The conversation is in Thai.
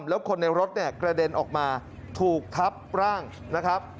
แล้วคนในรถเนี่ยกระเด็นออกมาถูกทับร่างนะครับ